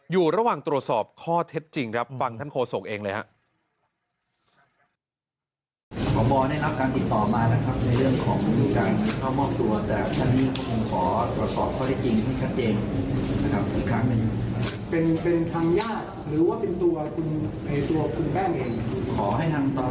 อยู่ระหว่างตรวจสอบข้อเท็จจริงครับฟังท่านโฆษกเองเลยครับ